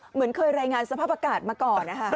เหมือนเคยรายงานสภาพอากาศมาก่อนนะคะ